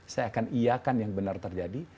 saya akan iya akan yang benar terjadi